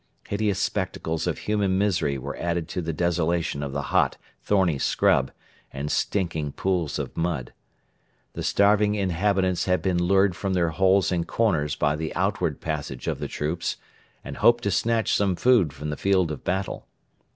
Hideous spectacles of human misery were added to the desolation of the hot, thorny scrub and stinking pools of mud. The starving inhabitants had been lured from their holes and corners by the outward passage of the troops, and hoped to snatch some food from the field of battle.